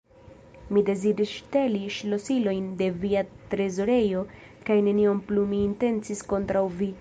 Mi deziris ŝteli ŝlosilojn de via trezorejo kaj nenion plu mi intencis kontraŭ vi!